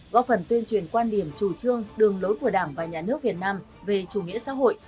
góp phần tuyên truyền quan điểm chủ trương đường lối của đảng và nhà nước việt nam về chủ nghĩa xã hội